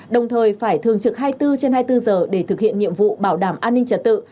đồng thời phải thường trực hai mươi bốn trên hai mươi bốn giờ để thực hiện nhiệm vụ bảo đảm an ninh trật tự